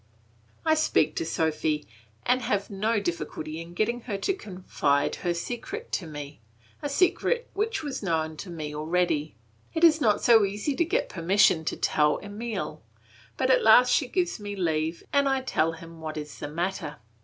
I speak to Sophy, and have no difficulty in getting her to confide her secret to me, a secret which was known to me already. It is not so easy to get permission to tell Emile; but at last she gives me leave and I tell him what is the matter.